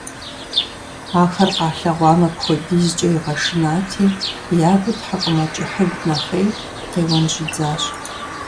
Ахэр къалъэгъуам апхэдизкӀэ игъэшынати, я гур тхьэкӀумэкӀыхьыгу нэхъей, къеуэн щӀидзащ.